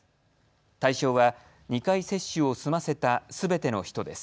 対象は２回接種を済ませたすべての人です。